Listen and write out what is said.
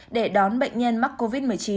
để đón bệnh nhân mắc covid một mươi chín